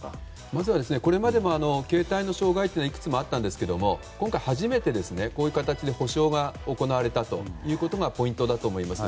まずはこれまでも携帯の障害はいくつもあったんですが今回初めてこういう形で補償が行われたということがポイントだと思います。